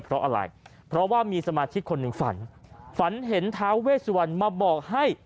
เพราะอะไรเพราะว่ามีสมาชิกคนหนึ่งฝันฝันเห็นท้าเวสวันมาบอกให้